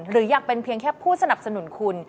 หรืออยากเป็นเพียงแค่ผู้สนับสนุนคุณ